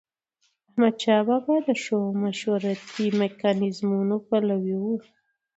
احمدشاه بابا د ښو مشورتي میکانیزمونو پلوي و.